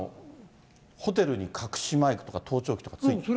ホテルに隠しマイクとか盗聴器とかついてる？